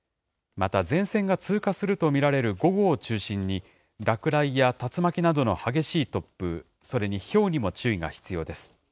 また前線が通過すると見られる午後を中心に、落雷や竜巻などの激しい突風、それにひょうにも注意が必要です。